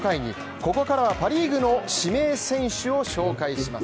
ここからはパ・リーグの指名選手を紹介します。